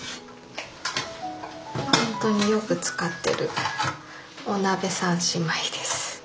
ほんとによく使ってる「お鍋三姉妹」です。